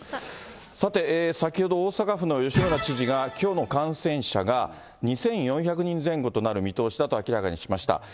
さて、先ほど、大阪府の吉村知事がきょうの感染者が２４００人前後となる見通しだと明らかにしました。